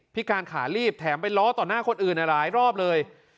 พิการขาลีบแถมไปล้อต่อหน้าคนอื่นหลายรอบเลย